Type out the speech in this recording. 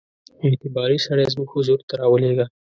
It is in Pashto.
اعتباري سړی زموږ حضور ته را ولېږه.